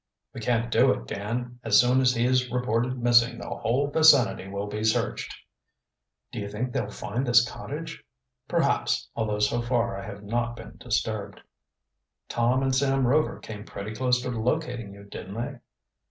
"We can't do it, Dan. As soon as he is reported missing this whole vicinity will be searched." "Do you think they'll find this cottage?" "Perhaps, although so far I have not been disturbed." "Tom and Sam Rover came pretty close to locating you, didn't they?"